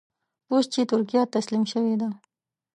اوس چې ترکیه تسلیم شوې ده.